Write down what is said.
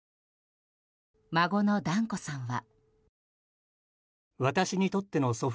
孫の團子さんは。